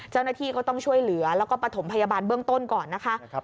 เจ้าหน้าที่ก็ต้องช่วยเหลือแล้วก็ประถมพยาบาลเบื้องต้นก่อนนะคะ